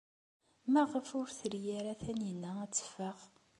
Maɣef ur tri ara Taninna ad teffeɣ?